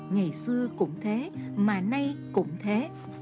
ngày xưa cũng thế mà nay cũng thế